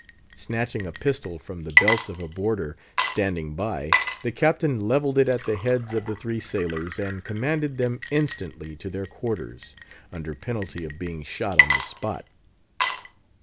Snatching a pistol from the belt of a boarder standing by, the Captain levelled it at the heads of the three sailors, and commanded them instantly to their quarters, under penalty of being shot on the spot.